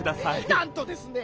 なんとですね